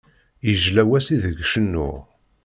Yejla wass ideg cennuɣ.